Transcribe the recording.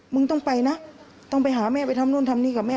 มึงต้องไปนะต้องไปหาแม่ไปทำนู่นทำนี่กับแม่